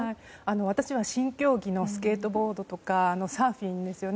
私は新競技のスケートボードとかサーフィンですよね。